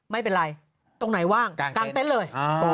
ไม่เป็นไรตรงไหนว่างกลางเต็นต์เลย